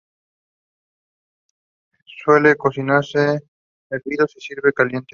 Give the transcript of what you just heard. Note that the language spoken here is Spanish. Suele cocinarse hervido y servirse caliente.